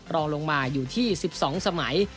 รองลงมาอยู่ที่๑๒สมัย